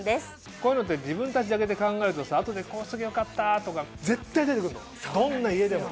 こういうのって自分たちだけで考えると後で「こうしておけばよかった」とか絶対出て来るのどんな家でも。